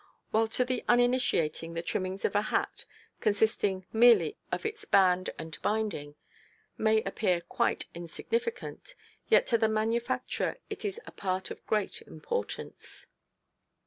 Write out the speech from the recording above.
While to the uninitiated the trimmings of a hat, consisting merely of its band and binding, may appear quite insignificant, yet to the manufacturer it is a part of great importance.